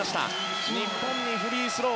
日本にフリースロー。